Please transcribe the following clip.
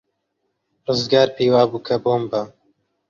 ڕزگار پێی وابوو کە بۆمبە.